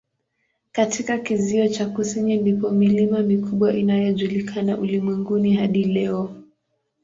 Katika kizio cha kusini ndipo milima mikubwa inayojulikana ulimwenguni hadi leo.